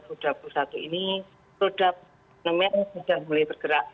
produsen sudah mulai bergerak